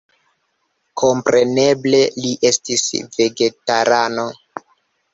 Kompreneble, li estis vegetarano.